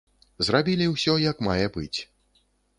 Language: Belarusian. Зрабілі ўсё як мае быць.